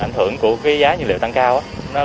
ảnh hưởng của giá nhiên liệu tăng cao